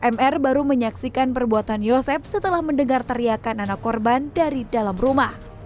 mr baru menyaksikan perbuatan yosep setelah mendengar teriakan anak korban dari dalam rumah